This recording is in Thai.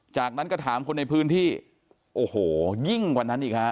จากนั้นก็ถามคนในพื้นที่โอ้โหยิ่งกว่านั้นอีกฮะ